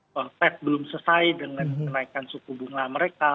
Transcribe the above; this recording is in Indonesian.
tohped belum selesai dengan kenaikan suku bunga mereka